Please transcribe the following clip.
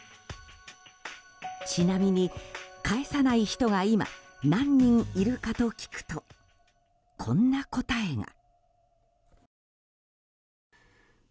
ちなみに、返さない人が今、何人いるかと聞くとこんな答えが。